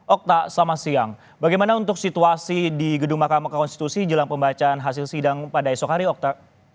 okta selamat siang bagaimana untuk situasi di gedung mahkamah konstitusi jelang pembacaan hasil sidang pada esok hari okta